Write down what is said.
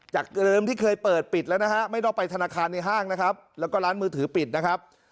จากเดิมที่เคยเปิดปิดแล้วนะฮะไม่ต้องไปธนาคารในห้างนะครับแล้วก็ร้านมือถือปิดนะครับ